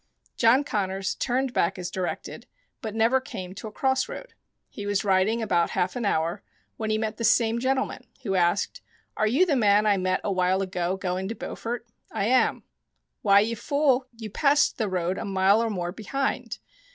John Connors turned back as directed, but never came to a cross road. He was riding about half an hour when he met the same gentleman, who asked: "Are you the man I met a while ago going to Beaufort ?" "I am." " Why, you fool, you passed the road a mile or more behind.